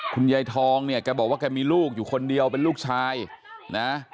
คุณยายทองเนี่ยแกบอกว่าแกมีลูกอยู่คนเดียวเป็นลูกชายนะ